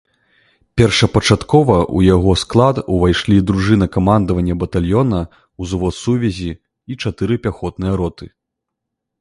Першапачаткова ў яго склад увайшлі дружына камандавання батальёна, узвод сувязі і чатыры пяхотныя роты.